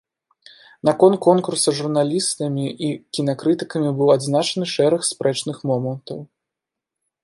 На конт конкурса журналістамі і кінакрытыкамі быў адзначаны шэраг спрэчных момантаў.